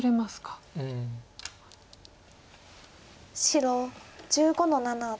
白１５の七。